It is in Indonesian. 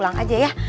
pulang aja ya